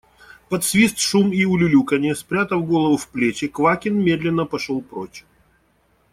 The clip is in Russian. Под свист, шум и улюлюканье, спрятав голову в плечи, Квакин медленно пошел прочь.